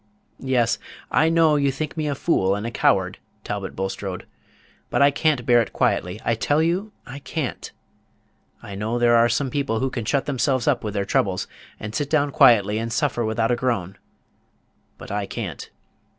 Yes, I know you think me a fool and a coward, Talbot Bulstrode; but I can't bear it quietly, I tell you I can't. I know there are some people who can shut themselves up with their troubles, and sit down quietly and suffer without a groan; but I can't.